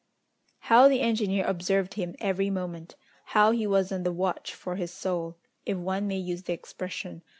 How the engineer observed him every moment! How he was on the watch for his soul, if one may use the expression!